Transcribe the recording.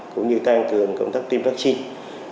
cũng như tăng cường công tác tiêm vaccine